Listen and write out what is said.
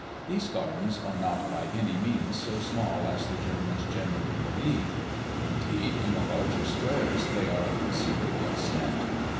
These gardens are not by any means so small as the Germans generally believe. Indeed, in the larger squares, they are of considerable extent.